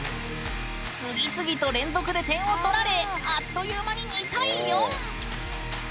次々と連続で点を取られあっという間に２対４！